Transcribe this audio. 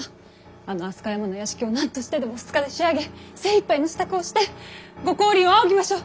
あの飛鳥山の邸を何としてでも２日で仕上げ精いっぱいの支度をして御光臨を仰ぎましょう。